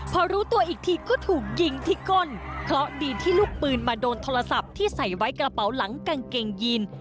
พอรู้ตัวอีกทีก็ถูกยิงที่ก้นเพราะดีที่ลูกปืนมาโดนโทรศัพท์ที่ใส่ไว้กระเป๋าหลังกางเกงยีน